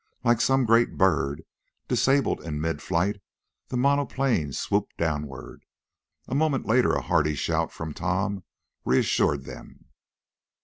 Like some great bird, disabled in mid flight, the monoplane swooped downward. A moment later a hearty shout from Tom reassured them.